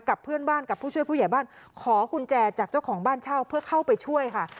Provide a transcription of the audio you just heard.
กับเพื่อนบ้านกับผู้ช่วยผู้ใหญ่บ้านขอกุญแจจากเจ้าของบ้านเช่าเพื่อเข้าไปช่วยค่ะ